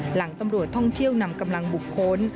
หลังตำรวจท่องเที่ยวนำกำลังบุคคล